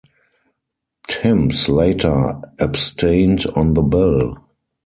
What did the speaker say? Timms later abstained on the bill.